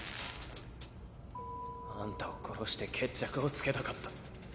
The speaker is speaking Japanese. あんたを殺して決着をつけたかった。